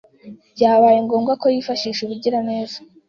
byabaye ngombwa ko yifashisha ubugira neza